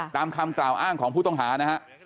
ตามคำกล่าวอ้างของผู้ต้องหานะฮะ